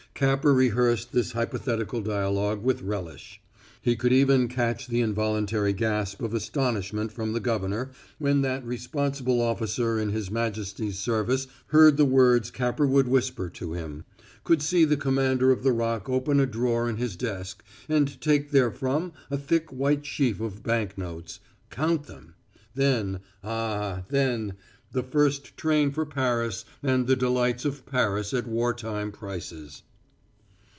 Capper rehearsed this hypothetical dialogue with relish. He could even catch the involuntary gasp of astonishment from the governor when that responsible officer in his majesty's service heard the words Capper would whisper to him; could see the commander of the Rock open a drawer in his desk and take therefrom a thick white sheaf of bank notes count them! Then ah, then the first train for Paris and the delights of Paris at war time prices.